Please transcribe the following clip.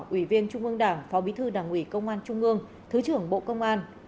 ủy viên trung ương đảng phó bí thư đảng ủy công an trung ương thứ trưởng bộ công an